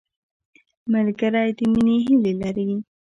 ملګری د مینې هیلې لري